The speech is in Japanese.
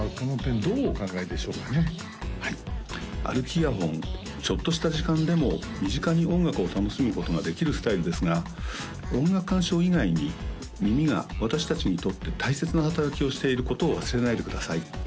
イヤホンちょっとした時間でも身近に音楽を楽しむことができるスタイルですが音楽鑑賞以外に耳が私達にとって大切な働きをしていることを忘れないでください